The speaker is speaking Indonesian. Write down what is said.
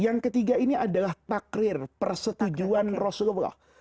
yang ketiga ini adalah takdir persetujuan rasulullah